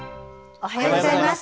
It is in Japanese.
おはようございます。